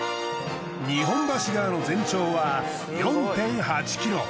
日本橋川の全長は４．８ｋｍ。